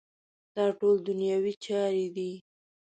دا ټول دنیوي چارې دي.